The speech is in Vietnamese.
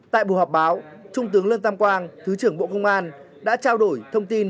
tại bộ họp báo trung tướng lân tam quang thứ trưởng bộ công an đã trao đổi thông tin